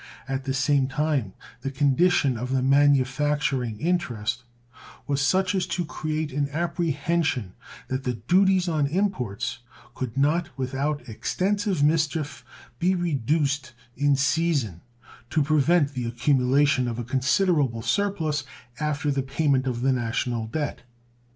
At the same time the condition of the manufacturing interest was such as to create an apprehension that the duties on imports could not without extensive mischief be reduced in season to prevent the accumulation of a considerable surplus after the payment of the national debt.